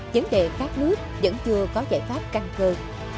vấn đề khát nước vẫn chưa có giải pháp căn cơ